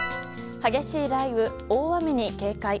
激しい雷雨、大雨に警戒。